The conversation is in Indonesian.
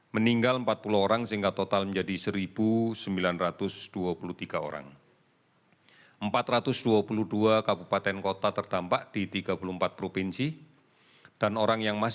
meninggal empat puluh orang sehingga total menjadi serius